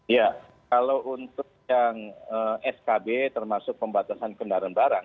ya kalau untuk yang skb termasuk pembatasan kendaraan barang